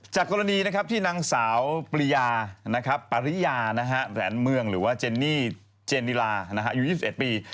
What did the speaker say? จากกรณีที่นางสาวปริยาปริยาแหวนเมืองหรือว่าเจนนี่เจนิลาอายุ๒๑ปี